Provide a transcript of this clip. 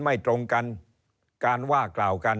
เริ่มตั้งแต่หาเสียงสมัครลง